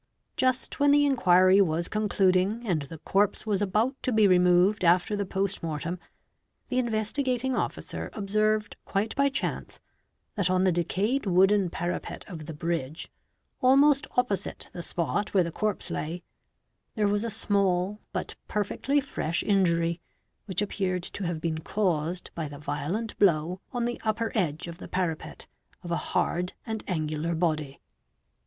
Just when the inquiry was conclu — ding and the corpse was. about to be removed after the post mortem, the Investigating Officer observed quite by chance that on the decayed wooden parapet of the bridge, almost opposite the spot where the corpse lay, there was a small but perfectly fresh injury which appeared to have — been caused by the violent blow on the upper edge of the parapet of } a hard and angular body.